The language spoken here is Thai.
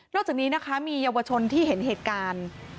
จากนี้นะคะมีเยาวชนที่เห็นเหตุการณ์